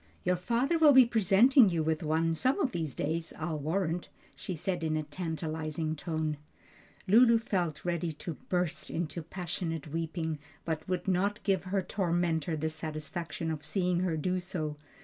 "Your father will be presenting you with one some of these days, I'll warrant," she said in a tantalizing tone. Lulu felt ready to burst into passionate weeping, but would not give her tormentor the satisfaction of seeing her do so.